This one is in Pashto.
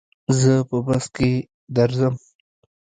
زه په بس کي درځم.